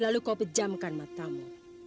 lalu kau pejamkan matamu